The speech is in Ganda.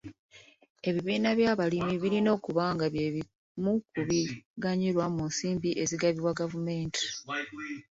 Ebibiina by'abalimi birina okuba nga by'ebimu ku biganyulwa mu nsimbi ezigabibwa gavumenti.